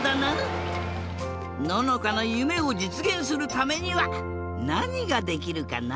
ののかのゆめをじつげんするためにはなにができるかな？